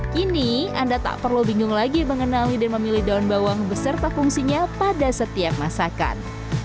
kini anda tak perlu bingung lagi mengenali dan memilih daun bawang beserta fungsinya pada setiap masakan